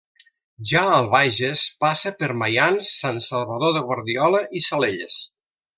Ja al Bages, passa per Maians, Sant Salvador de Guardiola i Salelles.